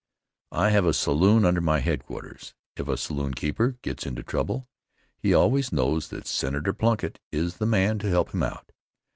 I have a saloon under my headquarters. If a saloonkeeper gets into trouble he always knows that Senator Plunkitt is the man to help him out.